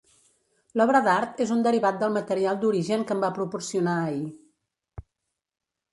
L'obra d'art és un derivat del material d'origen que em va proporcionar ahir.